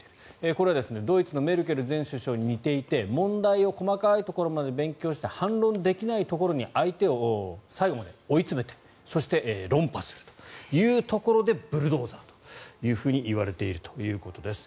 これはドイツのメルケル前首相に似ていて問題を細かいところまで勉強して反論できないところに相手を最後まで追いつめてそして論破するというところでブルドーザーと言われているということです。